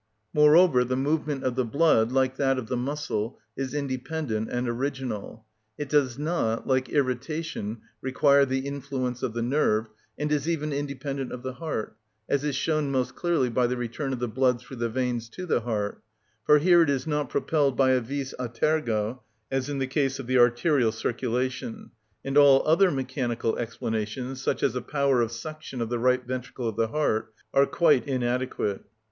Moreover, the movement of the blood, like that of the muscle, is independent and original; it does not, like irritation, require the influence of the nerve, and is even independent of the heart, as is shown most clearly by the return of the blood through the veins to the heart; for here it is not propelled by a vis a tergo, as in the case of the arterial circulation; and all other mechanical explanations, such as a power of suction of the right ventricle of the heart, are quite inadequate.